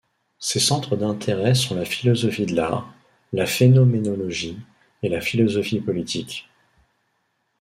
Ses centres d'intérêt sont la philosophie de l'art, la phénoménologie et la philosophie politique.